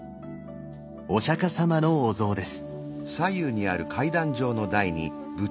お釈様のお像です。